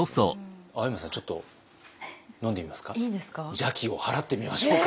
邪気をはらってみましょうか。